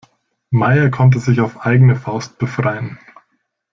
Meier konnte sich auf eigene Faust befreien.